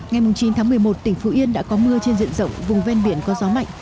ngày chín tháng một mươi một tỉnh phú yên đã có mưa trên diện rộng vùng ven biển có gió mạnh